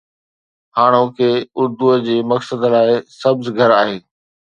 هاڻوڪي اردوءَ جي مقصد لاءِ سبز گهر آهي